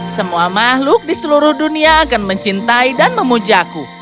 semua makhluk di seluruh dunia akan mencintai dan memujaku